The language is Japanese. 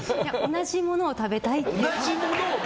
同じものを食べたいって。